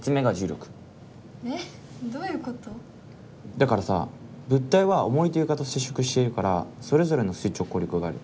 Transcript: だからさ物体はおもりと床と接触しているからそれぞれの垂直抗力がある。